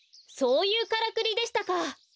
そういうからくりでしたか。